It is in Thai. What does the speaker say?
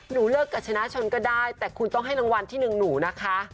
เลิกกับชนะชนก็ได้แต่คุณต้องให้รางวัลที่หนึ่งหนูนะคะ